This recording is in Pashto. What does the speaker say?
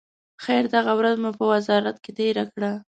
خیر، دغه ورځ مو په وزارت کې تېره کړه.